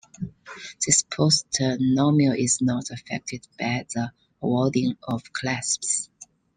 This post-nominal is not affected by the awarding of clasps.